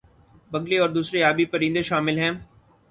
بگلے اور دوسرے آبی پرندے شامل ہیں